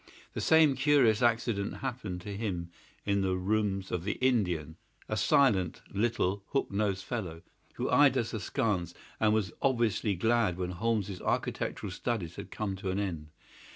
The same curious accident happened to him in the rooms of the Indian—a silent, little, hook nosed fellow, who eyed us askance and was obviously glad when Holmes's architectural studies had come to an end.